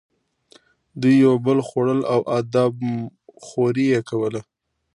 دوی یو بل خوړل او آدم خوري یې کوله.